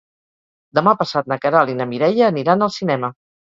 Demà passat na Queralt i na Mireia aniran al cinema.